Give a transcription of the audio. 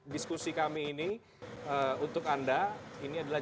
diskusi kami ini untuk anda ini adalah